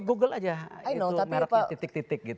google aja itu mereknya titik titik gitu